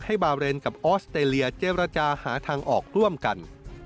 บาเรนกับออสเตรเลียเจรจาหาทางออกร่วมกัน